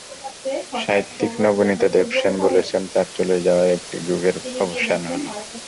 সাহিত্যিক নবনীতা দেবসেন বলেছেন, তাঁর চলে যাওয়ায় একটি যুগের অবসান হলো।